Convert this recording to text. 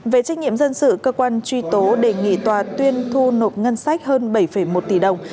về trách nhiệm dân sự cơ quan truy tố đề nghị tòa tuyên thu nộp ngân sách hơn bảy một tỷ đồng